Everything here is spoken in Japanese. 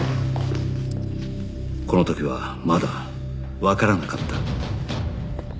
この時はまだわからなかった